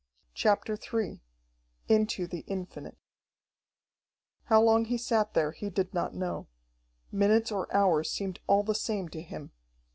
CHAPTER III Into the Infinite How long he sat there he did not know. Minutes or hours seemed all the same to him.